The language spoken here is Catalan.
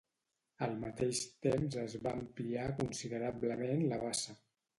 Al mateix temps es va ampliar considerablement la bassa.